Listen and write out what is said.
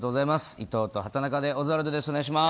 伊藤と畠中でオズワルドです。